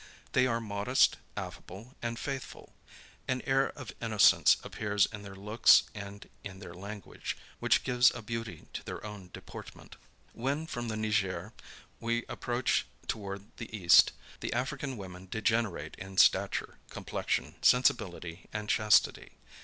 They are modest, affable, and faithful; an air of innocence appears in their looks and in their language, which gives a beauty to their whole deportment. When, from the Niger, we approach toward the East, the African women degenerate in stature, complexion, sensibility, and chastity.